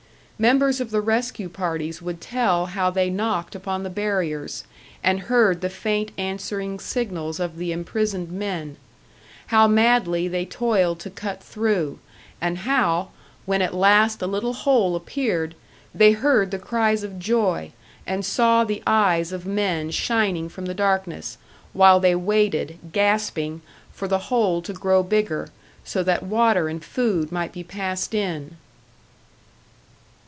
Members of the rescue parties would tell how they knocked upon the barriers, and heard the faint answering signals of the imprisoned men; how madly they toiled to cut through, and how, when at last a little hole appeared, they heard the cries of joy, and saw the eyes of men shining from the darkness, while they waited, gasping, for the hole to grow bigger, so that water and food might be passed in!